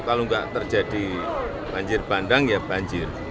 kalau nggak terjadi banjir bandang ya banjir